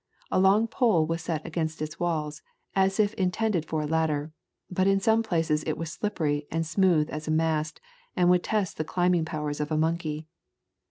A long pole was set against its walls as if intended for a ladder, but in some places it was slippery and smooth as a mast and would test the climbing powers of a monkey.